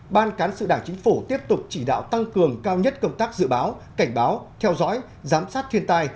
một ban cán sự đảng chính phủ tiếp tục chỉ đạo tăng cường cao nhất công tác dự báo cảnh báo theo dõi giám sát thiên tai